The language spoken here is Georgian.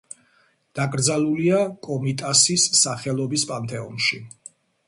დაკრძალულია კომიტასის სახელობის პანთეონში.